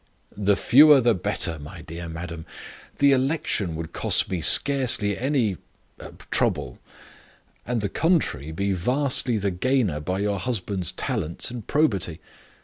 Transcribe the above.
"The fewer the better, my dear madam. The election would cost me scarcely any trouble; and the country be vastly the gainer by your husband's talents and probity.